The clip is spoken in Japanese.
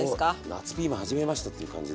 夏ピーマン始めましたっていう感じで。